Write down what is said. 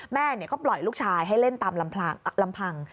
แม่ก็ปล่อยลูกชายให้เล่นตามลำพัง